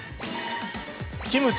キムチ。